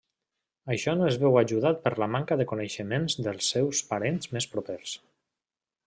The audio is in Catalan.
Això no es veu ajudat per la manca de coneixement dels seus parents més propers.